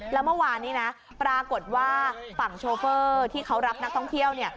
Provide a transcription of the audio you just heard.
แล้วเมื่อวานนี้นะปรากฏว่าฝั่งโชเฟอร์ที่เขารับนักท่องเที่ยวเนี่ย